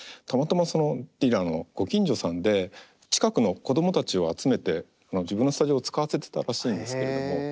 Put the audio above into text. たまたまそのディラのご近所さんで近くの子どもたちを集めて自分のスタジオを使わせてたらしいんですけれども。